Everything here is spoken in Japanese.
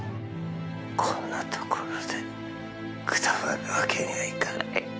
こんなところでくたばるわけにはいかない。